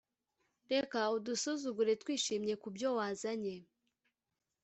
reka udusuzugure twishimye kubyo wazanye